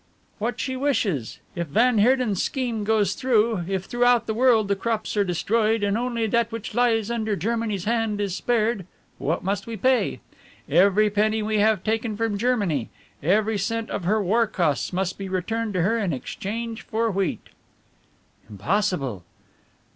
"What she wishes. If van Heerden's scheme goes through, if throughout the world the crops are destroyed and only that which lies under Germany's hand is spared, what must we pay? Every penny we have taken from Germany; every cent of her war costs must be returned to her in exchange for wheat." "Impossible!"